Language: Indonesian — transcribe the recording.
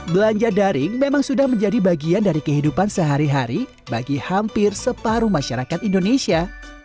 belanja daring memang sudah menjadi bagian dari kehidupan sehari hari bagi hampir separuh masyarakat indonesia